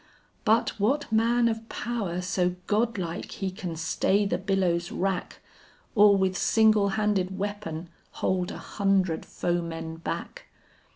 But what man of power so godlike he can stay the billow's wrack, Or with single handed weapon hold an hundred foemen back!